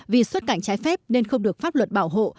vì xuất cảnh trái phép nên không được pháp luật bảo hộ